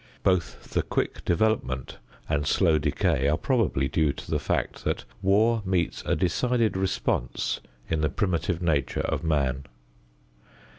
Both the quick development and slow decay are probably due to the fact that war meets a decided response in the primitive nature of man.